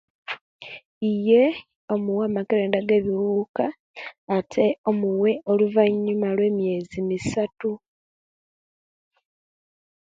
Iye omuwa amakerenda ege'bibuka ante omuwe oluvanyuma lwe'mieze misatu